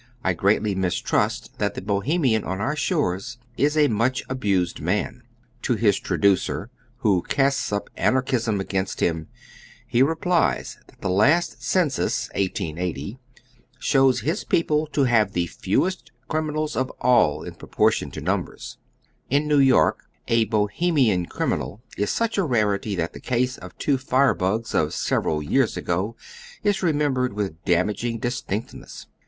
I greatly mistrust that the Bohemian on our sliores is a much abused man. To his traducer, who casts np an archism against him, he replies that the last census (ISSO) shows his people to have the fewest criminals of at! in pro portion to numbers In New York a Bohemian criminal is such a larity that the ease of two firebugs of several years ago is remembered with damaging distinctness.